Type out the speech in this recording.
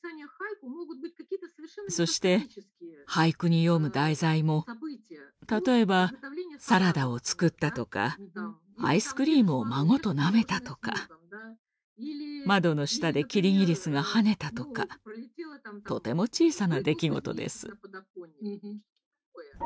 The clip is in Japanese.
そして俳句に詠む題材も例えばサラダを作ったとかアイスクリームを孫となめたとか窓の下でキリギリスが跳ねたとかとても小さな出来事です。